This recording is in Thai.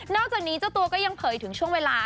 จากนี้เจ้าตัวก็ยังเผยถึงช่วงเวลา